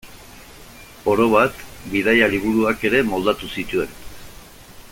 Orobat, bidaia-liburuak ere moldatu zituen.